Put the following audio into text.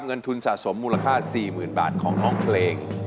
เงินทุนสะสมมูลค่า๔๐๐๐บาทของน้องเพลง